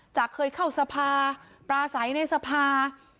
จากเคยเข่าสภาปลาไสในสภา